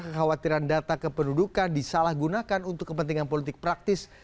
kekhawatiran data kependudukan disalahgunakan untuk kepentingan politik praktis